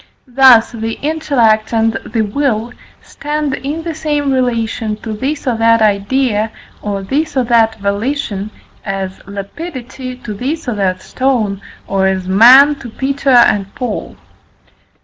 Thus the intellect and the will stand in the same relation to this or that idea, or this or that volition, as "lapidity" to this or that stone, or as "man" to Peter and Paul.